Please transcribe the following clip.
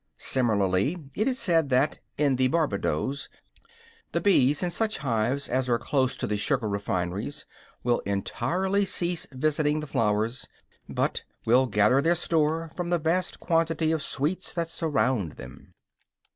Similarly it is said that, in the Barbadoes, the bees in such hives as are close to the sugar refineries will entirely cease visiting the flowers, but will gather their store from the vast quantity of sweets that surround them.